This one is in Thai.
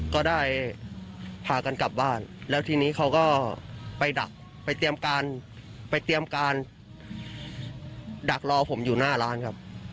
ก็ได้พากันกลับบ้านแล้วทีนี้เขาก็ไปดักไปเตรียมการไปเตรียมการดักรอผมอยู่หน้าร้านครับ